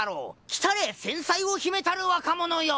来たれ仙才を秘めたる若者よ」